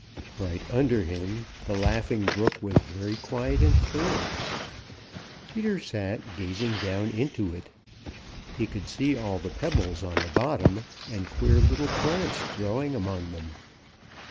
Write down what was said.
Right under him the Laughing Brook was very quiet and clear. Peter sat gazing down into it. He could see all the pebbles on the bottom and queer little plants growing among them.